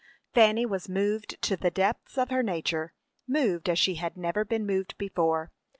Fanny was moved to the depths of her nature moved as she had never been moved before.